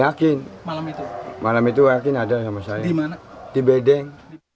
yakin malam itu malam itu yakin ada sama saya di bedeng